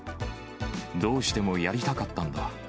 どうしてもやりたかったんだ。